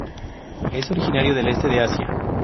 Es originario del este de Asia.